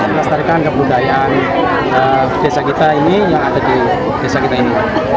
melestarikan kebudayaan desa kita ini yang ada di desa kita ini